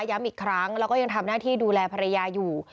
ย้ำอีกครั้งแล้วก็ยังทำหน้าที่ดูแลภรรยาอยู่